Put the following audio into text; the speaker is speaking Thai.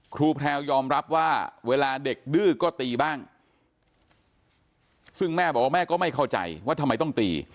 แพลวยอมรับว่าเวลาเด็กดื้อก็ตีบ้างซึ่งแม่บอกว่าแม่ก็ไม่เข้าใจว่าทำไมต้องตี